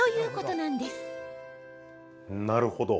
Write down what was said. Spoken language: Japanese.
なるほど。